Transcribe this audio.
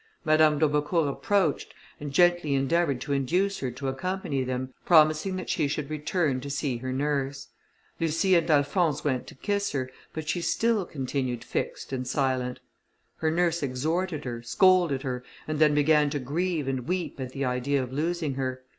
Madame d'Aubecourt approached, and gently endeavoured to induce her to accompany them, promising that she should return to see her nurse. Lucie and Alphonse went to kiss her, but she still continued fixed and silent. Her nurse exhorted her, scolded her, and then began to grieve and weep at the idea of losing her.